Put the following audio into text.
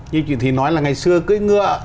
như chị thị nói là ngày xưa cưới ngựa